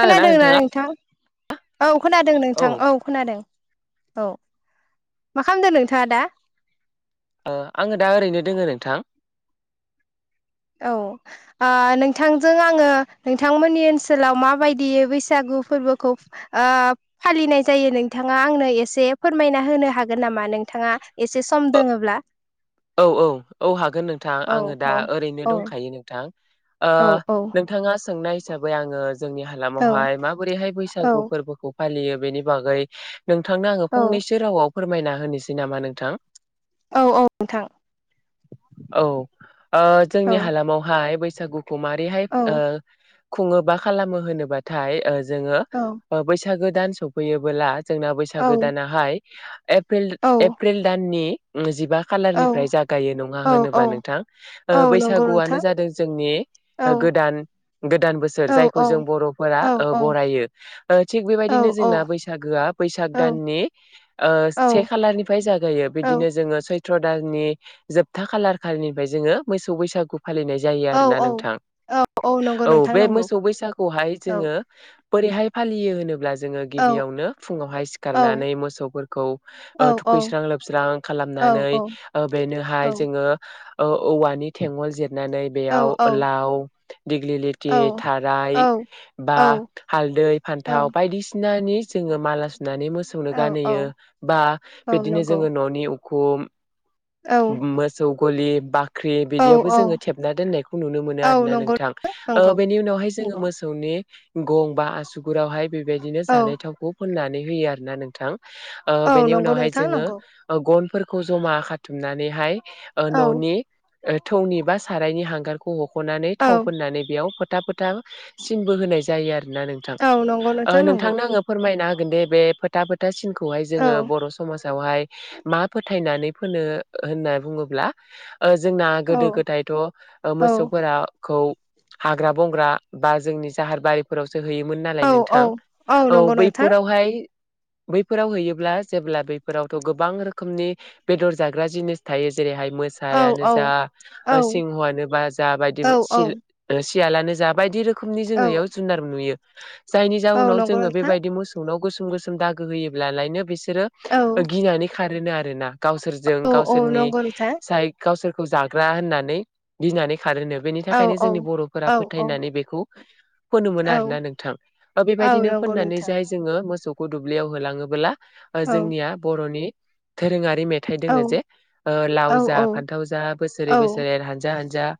खोनादोंना नोंथां औ खोनादों नोंथां औ खोनादों। औ मा खालामदों नोंथाङा दा? ओ आङो दा ओरैनो दोङो नोंथां। औ ओ नोंथांजों आङो नोंथांमोननि ओनसोलाव माबायदि बैसागु फोरबोखौ ओ फालिनाय जायो नोंथाङा आंनो एसे फोरमायना होनो हागोन नामा? नोंथाङा एसे सम दोङोब्ला। औ औ औ हागोन नोंथां औ आङो दा औ ओरैनो औ दंखायो नोंथां। ओ औ औ नोंथाङा सोंनाय हिसाबै आङो जोंनि औ हालामावहाय माबोरैहाय औ बैसागु फोरबोखौ फालियो बेनि बागै नोंथांनो आङो औ फंनैसो रावाव फोरमायना होनोसै नामा नोंथां। औ औ नोंथां। औ ओ औ जोंनि हालामावहाय बैसागु खौ मारैहाय औ ओ खुङो बा खालामो होनोबाथाय ओ जोङो औ ओ बैस सागो दान सफैयोबोला जोंना बैसागो दानाहाय एप्रिल औ एप्रिल दाननि ओ जिबा कालारनिफ्राय जागायो नङा औ होनोबा औ नोंथां औ ओ नंगौ बैसागुआनो नोंथां जादों जोंनि औ ओ गोदान गोदान बोसोर औ जायखौ जों बर'फोरा औ ओ औ बरायो ओ थिग औ बेबायदिनो औ जोंना बैसागोआ बैसाग औ दाननि ओ औ से खालारनिफ्राय जागायो औ बिदिनो जोङो सैथ थ्र दाननि जोबथा खालार खालिनिफ्राय जोङो मोसौ बैसागु फालिनाय जायो औ आरोना औ नोंथां। नंगौ औ नोंथां बे नंगौ मोसौ बैसागुहाय औ जोङो बोरैहाय फालियो होनोब्ला जोङो औ गिबियावनो फुङावहाय औ सिखारनानै मोसौफोरखौ औ ओ औ थुखैस्रां लोबस्रां खालामनानै औ ओ औ बेनोहाय जोङो ओ औवानि थेगल जिर नानै औ बेयाव लाव दिग्लिलिथि थाराय बा औ हाल दै फान्थाव बायदिसिना नि जोङो माला सुनानै मोसौनो औ औ गानहोयो बा औ बिदिनो नंगौ जोङो न'नि उ खुम औ मोसौ गलि बा ख्रि औ बिदियावबो औ जोङो थेबना दोननायखौ नुनो मोनो औ आरोना नंगौ नोंथां ओ नंगौ बेनि उनावहाय जोङो नंगौ मोसौनि गं बा आसुगुरावहाय बेबायदिनो औ जानाय थावखौ फोननानै होयो आरो ना नोंथां। ओ औ बेनि नंगौ उनावहाय नोंथां नंगौ जोङो गनफोरखौ जमा खाथुमनानैहाय ओ औ न'नि ओ थौनि बा सारायनि हांगारखौ हख'नानै औ थाव फोननानै बेयाव फो था फोथा सिन बोहोनाय जायो आरोना नोंथां। औ नंगौ ओ नोंथां नंगौ नोंथांनो आङो फोरमायना दे बे फोथा फोथा सिनखौहाय औ जोङो बर'समाजआवहाय मा फो थायनानै फोनो होनना बुङोब्ला ओ जोंना औ गोदो गोदायथ' ओ औ मोसौफोराखौ हाग्रा बंग्रा बा जोंनि जाहार बारिफोराव सो होयोमोन नालाय औ औ नोंथां। औ नंगौ नोंथां बैफोरावहाय बैफोराव हैयोब्ला जेब्ला बैफोरावथ' गोबां रोखोमनि बेदर जाग्रा जिनिस थायो। जेरैहाय औ मोसायानो औ जा औ सिंहआनो बा जा बायदि औ औ सियालानो जा बायदि रोखोमनि औ जोङो इयाव जुनार नुयो । जायनि औ जाहनाव नंगौ जोङो नोंथां बेबायदि मोसौनाव गोसोम गोसोम दागो होयोब्लालायनो बेसोर औ बिसोरो गिनानै खारो आरोना गावसोरजों औ औ गावसोरनि नंगौ नोंथां साइ गावसोर जाग्रा होननानै गिनानै खारोनो बेनि औ थाखायनो औ जोंनि बर'फोरा औ औ फोथायनानै बेखौ फोनोमोन औ आर ना नोंथां औ बेबायदिनो नंगौ फोननानै नोंथां जाय जोङो मोसौखौ दुब्लियाव होलाङोब्ला ओ औ जोंनिया बर'नि दोरोङारि मेथाइ औ दङ जे औ लाव औ फान्थाव जा बोसोरै औ बोसोरै हानज हानजा जा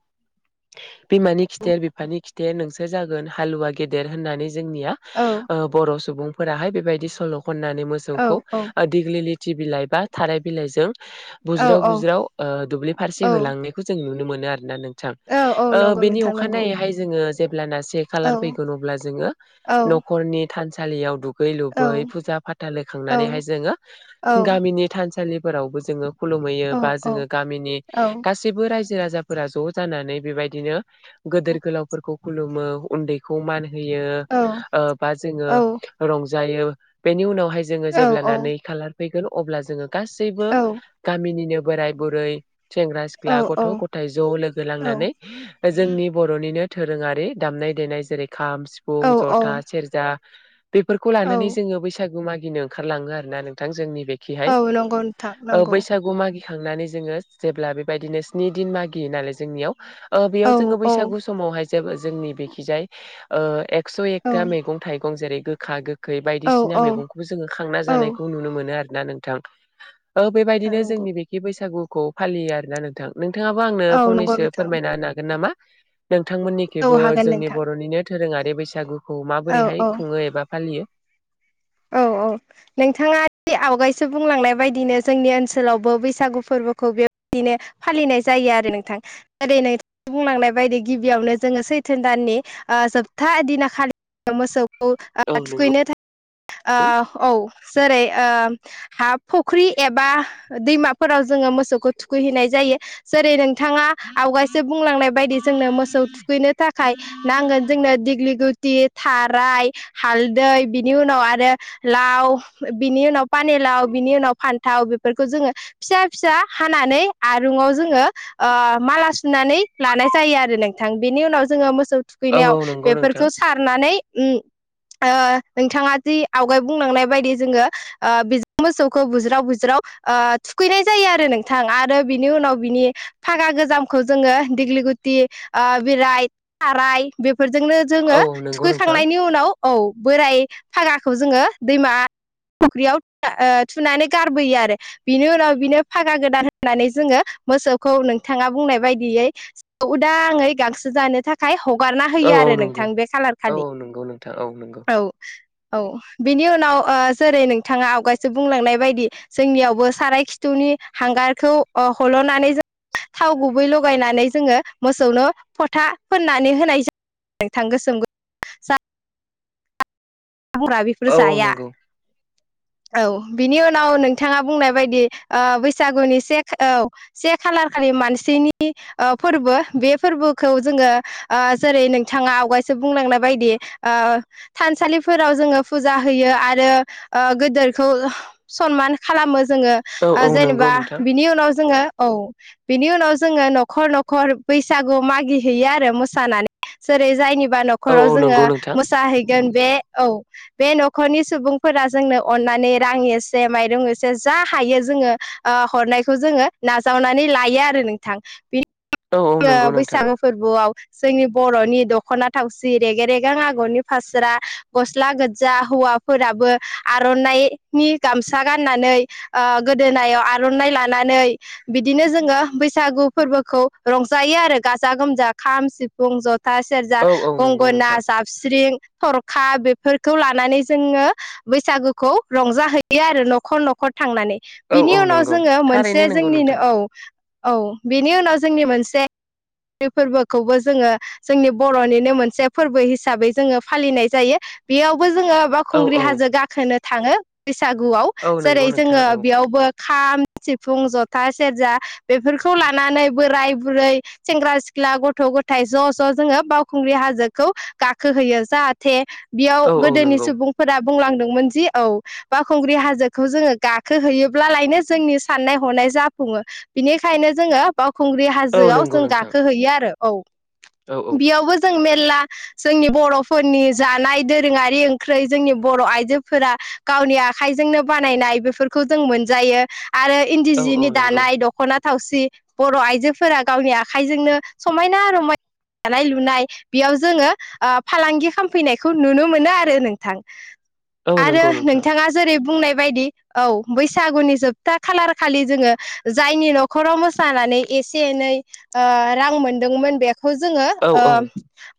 बिमानि खिथेर बिफानि खिथेर नोंसोर जागोन हालुवा गेदेर होननानै जोंनि औ ओ बर' सुबुंफोराहाय बेबायदि सल' खनानै मोसौखौ औ औ खुथि बिलाइ बा थाराय बिलाइजों बुज्राव औ औ बुज्राव दुब्लि फारसे होलांनायखौ जों नुनो मोनो। बेनो आरोना नोंथां औ औ ओ नंगौ बेनि नोंथां नंगौ अखानायैहाय जोंङो फै ज औ औ [unintelligible] थुगै औ लुबै फुजा फाथा औ लखांनानैहाय जोङो औ गामिनि थानसालिफोरावबो जोङो खुलुमैयो औ बा जोङो गामिनि औ गासैबोजो राय रायजो राजाफोरा ज' जानानै बेबायदिनो गोदोर गोलावफोरखौ खुलुमो उन्दैखौ मा होन ओ बा जोङो रंजायो बेनि उनाव जोङो जेब्लाना नै खालार फैगोन अब्ला जोङो गासैबोन औ गामिनि बोराय बुरै सेंग्रा सिख्ला गथ' गथायाइ ज' लोगो लांनानै जोंनि बर'निनो दोरोङारि दामनाय देनाय जेरै खाम सिफुं जथा औ सेरजा बेफोरखौ औ लानानै जोङो बैसागु मागिनो ओंखारलाङो आरो ना नोंथां जोंनि बेथिं औ नंगौ नोंथां नंगौ थांनानै जोङो जेब्ला बेबायदिनो स्नि दिन मागियो नालाय जोंनियाव औ बेयाव जोङो औ बैसागु समावहाय जेबो जोंनि बेथिंजाय एक्स' औ एकथा मैगं थाइगं जेरै गोखा गोखै बे औ बायदिसिना औ मैगंखौबो जोङो खांना जानायखौ नुनो मोनो आरो ना नोंथां ओ नोंथां बेबायदिनो नंगौ जोंनि बेथिं बैसागुखौ फालियो आरोना नोंथां नोंथाङाबो आंनो औ नंगौ फंनैसो नोंथां फोरमायना होनो हागोन नामा औ नोंथांमोननिथिंबो हागोन जोंनि नोंथां बर'निनो दोरोङारि बैसागुखौ औ माबोरैहाय औ खुङो एबा फालियो औ नोंथाङा आवगायसो बुंलांनाय बायदिनो जोंनि ओनसोलावबो बैसागु फोरबोखौ बे बिदिनो फालिनाय जायो आरो नोंथां बायदि नों बुंलांनाय बायदि गिबियावनो जोङो सैथोन दानि ओ जोब्था दिना खालि मोसौ औ औ नंगौ थुखैनो आ औ। जेरै ओ हा फुख्रि एबा दैमाफोराव जोङो मोसौखौ थुखैहैनाय जायो जेरै नों नोंथाङा आवगायसो बुंलांनाय बायदि जोंनो मोसौ थुखैनो थाखाय नांगोन जोंनो दिग्लिगु बिदि थाराय हालदै बिनि उनाव आरो लाव बिनि उनाव पानि लाव बिनि उनाव फान्थाव बेफोरखौ जोङो फिसा फिसा हानानै आरुंआव जोङो ओ माला सुनानै लानाय जायो आरो नोंथां। बेनि उनाव जोङो मोसौ औ थुखैनायाव औ नंगौ नोंथां बेफोरखौ सारनानै ओम ओ नोंथाङा जि आवगाय बुंलांनाय बायदि जोङोजों ओ मोसौखौ बुज्राव बुज्राव ओ थुखैनाय जायो आरो नोंथां आरो बिनि उनाव बिनि फागा गोजामखौ जोङो दिग्लि गुटि बेराय खाराय बेफोरजोंनो औ जोङो औ नंगौ नोंथां थुखैखांनायनि उनाव औ बोराय फागाखौ जोङो दैमा फुख्रियाव ओ थुनानै गारबोयो आरो बिनि उनाव बिनो फागा गोदान होननानै जोङो मोसौखौ नोंथाङा बुंनाय बायदियै उदाङै गांसो जानो थाखाय ह हगारना औ होयो औ आरो नंगौ नोंथां बे खालार औ खालि नंगौ नोंथां औ नंगौ औ। औ बिनि उनाव जेरै नोंथाङा आवगायसो बुंलांनाय बायदि जोंनियावबो साराय खिथुनि हांगारखौ हल'नानै जों थाव गुबै लगायनानै जोङो मोसौनो फोथा फोननानै होनाय जायो। गोथां गोसोम हामग्रा बेफोर औ औ जाया नंगौ औ बिनि उनाव नोंथाङा बुंनाय बायदि ओ बैसागुनि से औ से खालार खालि मानसिनि ओ फोरबो बे फोरबोखौ जोङो ओ जेरै नोंथाङा आवगायसो बुंलांनाय बादि ओ थानसालि फोराव जोङो फुजा होयो आरो ओ गोदोरखौ सनमान खालामो जोङो औ ओ औ नंगौ जेनेबा नोंथां बिनि उनाव जोङो औ बिनि उनाव जोङो न'खर न'खर बैसागु मागि हैैयो आरो मोसानानै जेरै जायनिबा औ न'खराव औ जोङो नंगौ नोंथां मोसाहैगोन बे औ बे न'खरनि सुबुंफोरा जोंनो अननानै रां एसे माइरं एसे जा हायो जों ङो ओ हरनायखौ जोंङो नाजावनानै लायो आरो नोंथां बेनि औ औ ओ नंगौ नोंथां बैसागु फोरबोआव जोंनि बर'नि दख'ना थावसि रेग रेगां आगरनि फास्रा गस्ला गोथजा हौवा फोराबो आर'नायनि गामसा गाननानै ओ गोदोनायाव आर'नाइ लाना नै बिदिनो जोङो बैसागु फोरबोखौ रंजायो आरो गाजा गोमजा खाम, सिफुं, जथा, सेरजा, औ औ नंगौ गंगोनना, नोंथां जाबस्रिं, थरखा बेफोरखौ लानानै जोङो बैसागुखौ रंजाहैयो आरो न'खर न' थांनानै औ बिनि औ उनाव नंगौ जोङो मोनसे थारैनो नंगौ जोंनिनो नोंथां औ औ बिनि उनाव जोंनि मोनसे फोरबोखौबो जोङो जोंनि बर'निनो मोनसे फोरबो हिसाबै जोङो फालिनाय जायो बेयाव जोङो औ बावखुंग्रि औ हाजो गाखोनो थाङो। बैसागुआव औ नंगौ जेरै नोंथां जोङो औ बेयावबो खाम, सिफुं, जथा, सेरजा बेफोरखौ लानानै बोराय बुरै सेंग्रा सिख्ला गथ' गथाय ज' ज' जोङो बावखुंग्रि हाजोखौ गाखो होयो जाहाथे बेयाव औ औ गोदोनि नंगौ सुबुंफोरा बुंलांदोंमोन जि औ बावखुंग्रि हाजोखौ जोङो गाखोहैयोब्लालायनो जोंनि साननाय हनाय जाफुङो बिनिखायनो जोंङो खुंग्रि औ हाजोआव नंगौ जों नोंथां गाखोहैयो आरो औ औ औ बेयावबो जों मे रला जोंनि बर'फोरनि जानाय दोरोङारि ओंख्रै जोंनि बर' आइजोफोरा गाव गावनि आखाइजोंनो बानायनाय बेफोरखौ जों मोनजायो। आरो इन्दि औ औ जिनि नंगौ दानाय दख'ना थावसि बर' आइजोफोरा गावनि आखाइजोंनो समायना रमायना दानाय लुनाय बेयाव जोङो ओ फालांगि खालामफैनायखौ नुनो मोनो आरो नोंथां औ आरो नंगौ नोंथां नोंथाङा जेरै बुंनाय बायदि औ बैसागुनि जोबथा खालार खालि जोङो जायनि नखराव मोसा नानै एसे एनै ओ रां मोनदोंमोन बेखौ जोङो औ ओ औ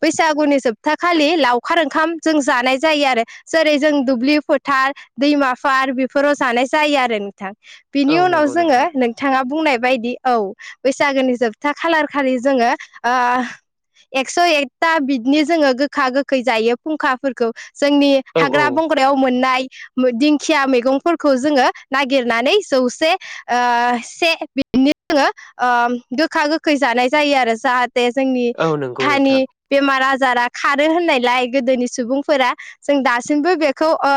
बैसागुनि जोबथा खालि लावखार ओंखाम जों जानाय जायो आरो जेरै जों दुब्लि फोथार दैमाफोर बेफोराव जानाय जायो आरो नोंथां बिनि औ उनाव नंगौ जोङो नोंथां नोंथाङा बुंनाय बायदि औ बैसागोनि जोबथा खालार खालि जोङो ओ एकस' एकथा बिदिनो जोङो गोखा गोखै जायो फुंखाफोरखौ जोंनि औ औ हाग्रा बंग्रायाव मोननाय दिंखिया मैगंफोरखौ जोङो नागिरनानै जौसे ओ से जोङो ओ गोखा- गोखै जानाय जायो आरो जाहा ते जोंनि औ नंगौ देहानि नोंथां बेमार आजार जारा खारो होननायलाय गोदोनि सुबुंफोरा जों दासिमबो बेखौ ओ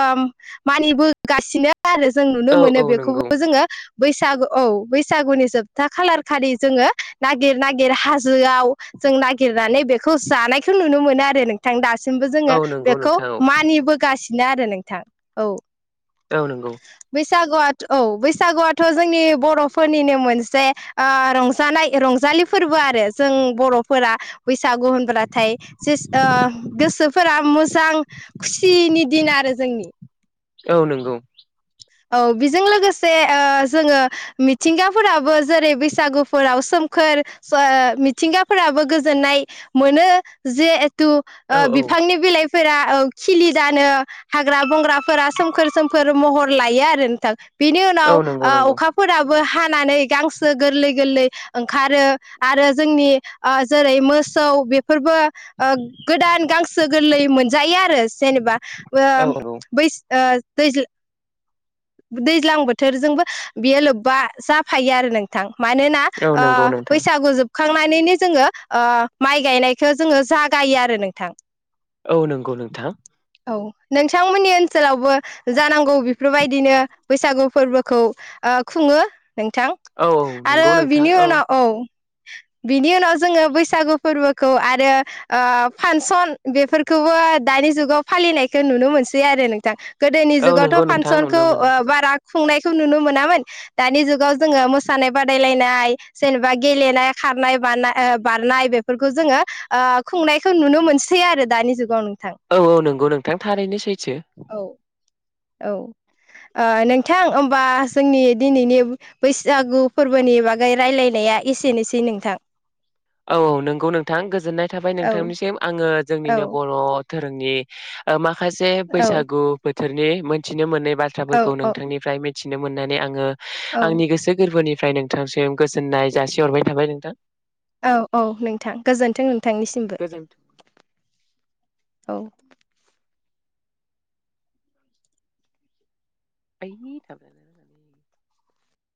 मानिबो गासिनो आरो जों नुनो औ मोनो औ नंगौ बेखौबो जोङो बैसागु औ बैसागुनि जोब था खालार खालि जोङो नागिर-नागिर हाजोआव जों नागिरनानै बेखौ जानाय नुनो मोनो आरो नोंथां दासो सिमबो औ जोङो नंगौ बेखौ नोंथां मानिबोगासिनो आरो नोंथां औ। औ नंगौ। बैसागु औ बैसागुआथ' जोंनि बर'फोरनिनो मोनसे रंजानाय रं जालि फोरबो आरो जों बर'फोरा बैसागु होनब्लाथाय गोसोफोर जा फुरा मोजां खुसिनि दिन आरो जोंनि। औ नंगौ। औ बेजों लोगोसे ओ जोङो मिथिंगा फोराबो जेरै बैसागुफोराव सोम -खोर मिथिंगा फोराबो गोजोननाय मोनो जे -थु औ औ बिफांनि बिलाइ फोरा औ खिलि जानो हाग्रा -बंग्राफोरा सोमखोर सोमखोर महर लायो आरो नोंथां बिनि उनाव औ नंगौ नंगौ अखाफोराबो बो हानानै गांसो गोरलै -गोरलै ओंखारो आरो जोंनि जेरै मो -सौ बेफोरबो ओ गोदान गांसो गोरलै मोनजायो आरो आरो जेनेबा औ औ बै ओ दैज दैज्लां बोथोरजोंबो बियो लोब्बा जाफायो आरो नोंथां। मानोना औ नंगौ नोंथां बैसागु जोब खांनानैनो जोङो माइ गायनायखौ जोङो जागायो आरो नोंथां। औ नंगौ नोंथां। औ नोंथांमोननि ओनसोलावबो जानांगौ बेफोरबायदिनो बैसागु फोरबोखौ ओ खुङो नोंथां औ आरो नंगौ नोंथां बिनि उनाव औ। बिनि उनाव जोङो बैसागु फोरबोखौ आरो फांसन बेफोरखौबो दा-दानि जुगाव फालिनायखौ नुनो मोनसै आरो नोंथां। गोदोनि औ नंगौ जुगावथ' नोंथां फांसनखौ नुनो मोनो बारा खुंनायखौ नुनो मोनामोन दानि जुगाव जोङो मोसानाय बादायलायनाय जेनेबा गेलेनाय खारनाय, बारनाय- बारनाय बेफोरखौ जोङो खुंनायखौ नुनो मोनसै आरो दानि जुगाव नोंथां औ -औ नंगौ नोंथां थारैनो सैथो। औ औ। ओ नोंथां होमबा जोंनि दिनैनि बैसागु फोरबोनि बागै रायलायनाया एसेनोसै नोंथां। औ- औ नंगौ नोंथां गोजोननाय थाबाय औ नोंथांनिसिम आङो औ जोंनिनो बर' घोरोमनि माखासे औ बैसागु बोथोरनि मोनथि मोननाय बाथ्राफोरखौ औ नोंथांनिफ्राय मिथिनो मोननानै आङो औ आंनि गोसो गोरबोनि -फ्राय नोंथांसिम गोजोननाय जासि हरबाय थाबाय नोंथां। औ औ नोंथां गोजोन्थों नों थांनिसिमबो गोजोनथों औ। थायनै थागोन